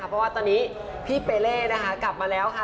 เพราะว่าตอนนี้พี่เปเล่กลับมาแล้วค่ะ